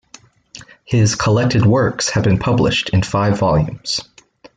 His "Collected Works" have been published, in five volumes.